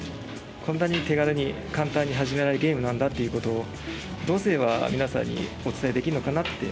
こんなに手軽に簡単に始められるゲームなんだ」っていうことをどうすればみなさんにお伝えできるのかなって。